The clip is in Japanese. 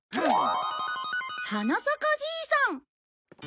『花さかじいさん』。